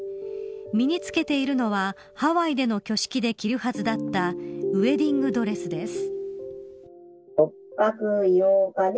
身につけているのはハワイでの挙式で着るはずだったウエディングドレスです。